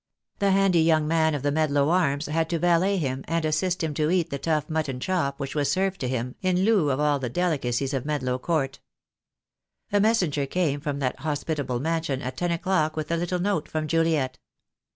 The handy young man of the "Medlow Arms" had to valet him and assist him to eat the tough mutton chop which was served to him in lieu of all the delicacies of Med low Court. A messenger came from that hospitable mansion at ten o'clock with a little note from Juliet.